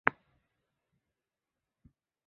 羽裂黄瓜菜为菊科黄瓜菜属下的一个种。